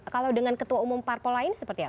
kalau dengan ketua umum parpol lain seperti apa